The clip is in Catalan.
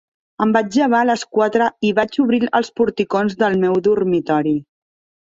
Em vaig llevar a les quatre i vaig obrir els porticons del meu dormitori.